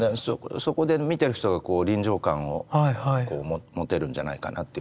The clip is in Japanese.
そこで見てる人が臨場感を持てるんじゃないかなという気がしますね。